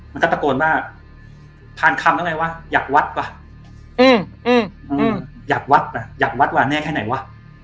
มันก็ตะโกนว่าผ่านคำอะไรวะอยากวัดว่ะอยากวัดว่ะอยากวัดวาแน่แค่ไหนวะ